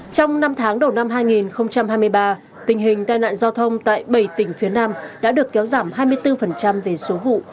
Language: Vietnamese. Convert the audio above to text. trong năm tháng đầu năm hai nghìn hai mươi ba tình hình tai nạn giao thông tại bảy tỉnh phía nam đã được kéo giảm hai mươi bốn về số vụ